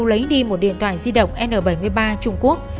lấy đi một điện thoại di động n bảy mươi ba trung quốc